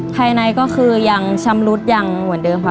ภายในก็คือยังชำรุดยังเหมือนเดิมค่ะ